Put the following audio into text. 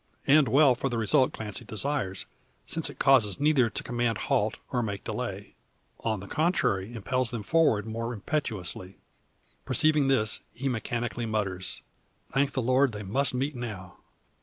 And well for the result Clancy desires; since it causes neither to command halt or make delay. On the contrary impels them forward more impetuously. Perceiving this, he mechanically mutters: Thank the Lord! They must meet now!